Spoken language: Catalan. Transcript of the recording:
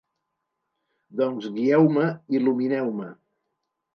Doncs, guieu-me, il·lumineu-me!